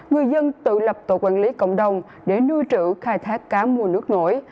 người dân tự lập tổ quản lý cộng đồng để nuôi trữ khai thác cá mua nước nổi